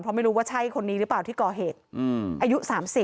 เพราะไม่รู้ว่าใช่คนนี้หรือเปล่าที่ก่อเหตุอายุ๓๐